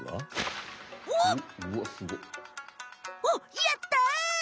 おっ！あっやった！